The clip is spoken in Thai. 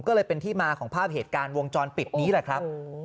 ก็เลยเป็นที่มาของภาพเหตุการณ์วงจรปิดนี้แหละครับ